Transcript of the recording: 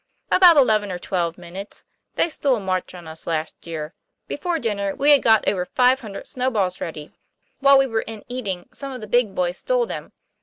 "About eleven or twelve minutes. They stole a march on us last year. Before dinner, we had got over five hundred snowballs ready. While we were TOM PL A YFAIR. in eating, some of the big boys stole them.